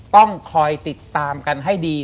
ต้องคอยติดตามกันให้ดี